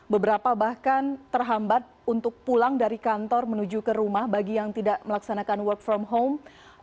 beberapa bahkan terhambat untuk pulang dari kantor menuju ke rumah bagi yang tidak melaksanakan work from home